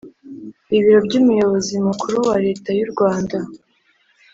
ibiro by umuyobozi Mukuru wa leta y’u Rwanda